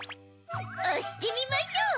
おしてみましょう。